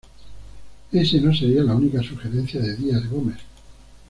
Ese no sería la única sugerencia de Dias Gomes.